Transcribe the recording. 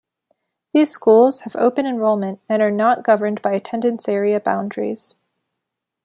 These schools have open enrollment and are not governed by attendance area boundaries.